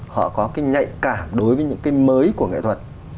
họ có cái nhạy cảm đối với những cái mới của nghệ thuật